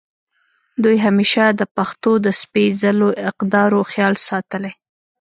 دوي همېشه د پښتو د سپېځلو اقدارو خيال ساتلے